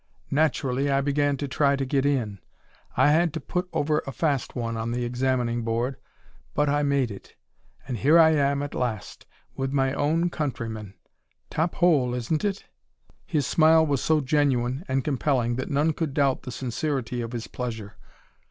Naturally, I began to try to get in. I had to put over a fast one on the examining board, but I made it. And here I am at last, with my own countrymen. Top hole, isn't it?" His smile was so genuine and compelling that none could doubt the sincerity of his pleasure.